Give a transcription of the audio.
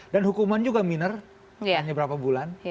dan hukuman juga minor hanya beberapa bulan